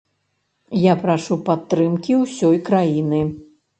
Я прашу падтрымкі ўсёй краіны.